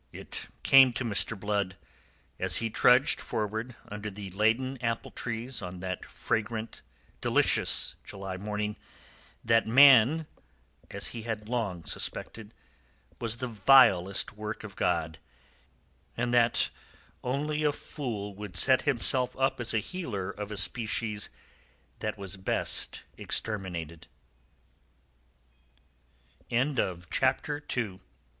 It came to Mr. Blood, as he trudged forward under the laden apple trees on that fragrant, delicious July morning, that man as he had long suspected was the vilest work of God, and that only a fool would set himself up as a healer of a species that was best exterminated. CHAPTER III.